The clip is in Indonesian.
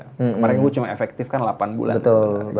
kemarin gue cuma efektif kan delapan bulan